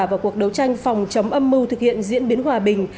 vào cuộc đấu tranh phòng chống âm mưu thực hiện diễn biến hòa bình